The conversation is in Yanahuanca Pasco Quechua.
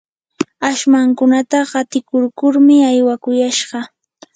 ashmankunata qatikurkurmi aywakushqa.